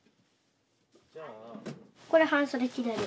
これ半袖着れる。